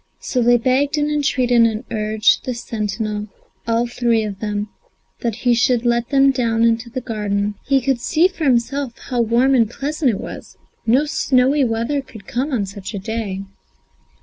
So they begged and entreated and urged the sentinel, all three of them, that he should let them down into the garden. "He could see for himself how warm and pleasant it was; no snowy weather could come on such a day."